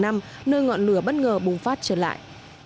nơi ngọn lửa bất ngờ bùng phát trở lại